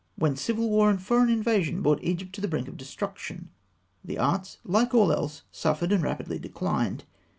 When civil war and foreign invasion brought Egypt to the brink of destruction, the arts, like all else, suffered and rapidly declined.